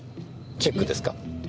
チェックです。